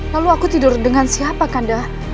lalu aku tidur dengan siapa kanda